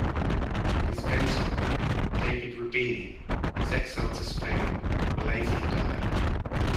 His mentor, David Reubeni, was exiled to Spain, where later he died.